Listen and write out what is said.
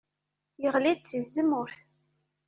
Yeɣli-d si tzemmurt.